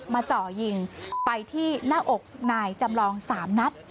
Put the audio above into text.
เจาะยิงไปที่หน้าอกนายจำลอง๓นัด